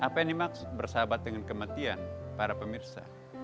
apa yang dimaksud bersahabat dengan kematian para pemirsa